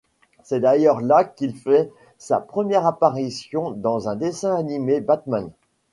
C'est d'ailleurs là qu'il fait sa première apparition dans un dessin animé Batman.